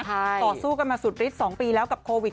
ต่อสู้กันมาสุดฤทธิ์๒ปีแล้วกับโควิด